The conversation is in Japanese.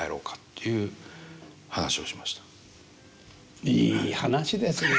いい話ですね。